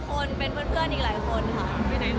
ปีหน้าเราไปด้วยกันเนี่ยแหละแล้วก็มีน้องเจมส์ด้วยค่ะ